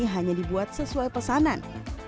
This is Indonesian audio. ada banyak yang bisa dibuat sesuai pesanan